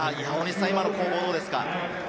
今の攻防はどうですか？